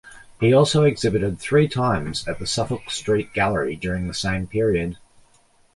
He also exhibited three times at the Suffolk Street Gallery during the same period.